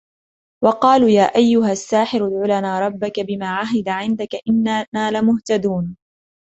وَقَالُوا يَا أَيُّهَ السَّاحِرُ ادْعُ لَنَا رَبَّكَ بِمَا عَهِدَ عِنْدَكَ إِنَّنَا لَمُهْتَدُونَ